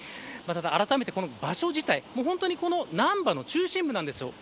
あらためて、場所自体難波の中心部なんです。